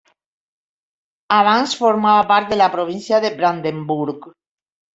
Abans formava part de la Província de Brandenburg.